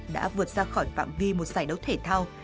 đã vượt ra khỏi phạm vi một giải đấu thể thao